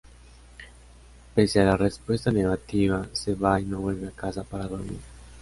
Pese a la respuesta negativa, se va y no vuelve a casa para dormir.